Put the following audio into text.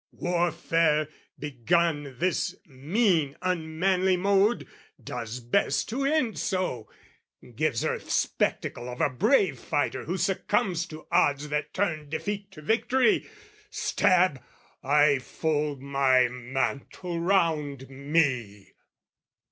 Warfare, begun this mean unmanly mode, Does best to end so, gives earth spectacle Of a brave fighter who succumbs to odds That turn defeat to victory. Stab, I fold My mantle round me!